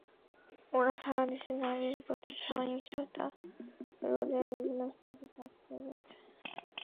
ওরা সারা দেশে নারীর প্রতি সহিংসতা রোধে নিরলসভাবে কাজ করে যাচ্ছে।